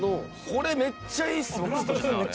これめっちゃいいですよ！